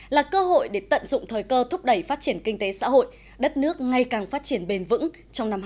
là cơ hội để tận dụng thời cơ thúc đẩy phát triển kinh tế xã hội đất nước ngay càng phát triển bền vững trong năm hai nghìn hai mươi